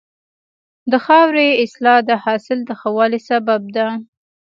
د خاورې اصلاح د حاصل د ښه والي سبب ده.